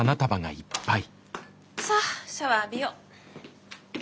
さあシャワー浴びよう。